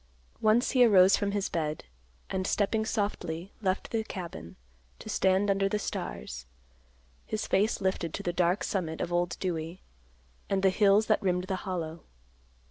Once he arose from his bed, and stepping softly left the cabin, to stand under the stars, his face lifted to the dark summit of Old Dewey and the hills that rimmed the Hollow.